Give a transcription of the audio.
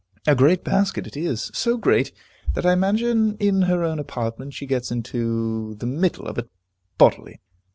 A great basket it is, so great, that I imagine in her own apartment she gets into the middle of it bodily.